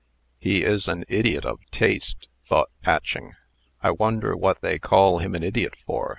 "He is an idiot of taste," thought Patching. "I wonder what they call him an idiot for?"